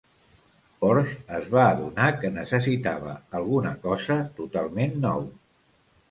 Porsche es va adonar que necessitava alguna cosa totalment nou.